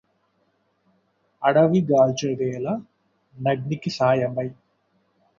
అడవి గాల్చు వేళ నగ్నికి సాయమై